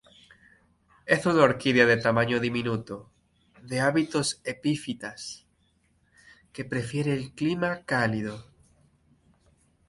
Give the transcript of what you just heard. Es una orquídea de tamaño diminuto, de hábitos epífitas, que prefiere el clima cálido.